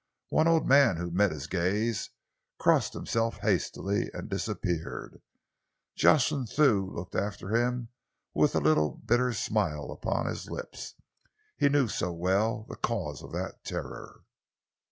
One old man who met his gaze crossed himself hastily and disappeared. Jocelyn Thew looked after him with a bitter smile upon his lips. He knew so well the cause of the terror.